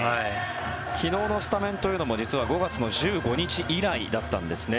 昨日のスタメンというのも実は５月１５日以来だったんですね。